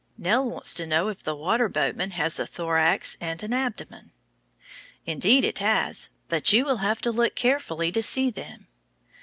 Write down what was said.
Nell wants to know if the water boatman has a thorax and an abdomen. Indeed, it has, but you will have to look carefully to see them.